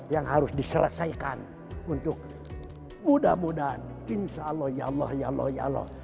yang harus diselesaikan untuk mudah mudahan insya allah ya allah ya allah ya allah